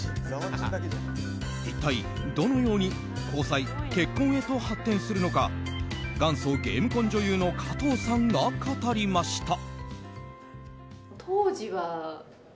一体どのように交際・結婚へと発展するのか元祖ゲーム婚女優の加藤さんが語りました。